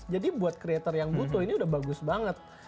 jadi buat creator yang butuh ini udah bagus banget